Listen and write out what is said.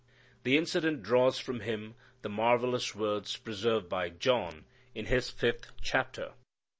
The incident draws from Him the marvellous words preserved by John in his fifth chapter.